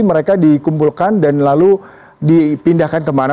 mereka dikumpulkan dan lalu dipindahkan ke mana